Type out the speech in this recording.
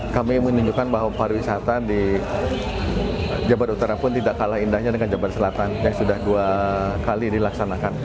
kami menunjukkan bahwa pariwisata di jabar utara pun tidak kalah indahnya dengan jabar selatan yang sudah dua kali dilaksanakan